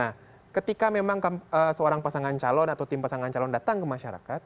nah ketika memang seorang pasangan calon atau tim pasangan calon datang ke masyarakat